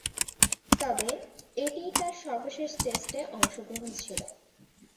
তবে, এটিই তার সর্বশেষ টেস্টে অংশগ্রহণ ছিল।